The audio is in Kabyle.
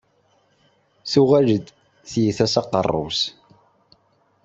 Ur tessin ad teskerkes.